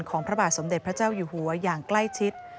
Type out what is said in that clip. พระบาทสมเด็จพระเจ้าอยู่หัวอย่างใกล้ชิด